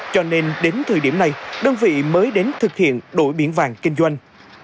cho nên đến thời điểm này đơn vị mới đến thực hiện đổi biển vàng kinh doanh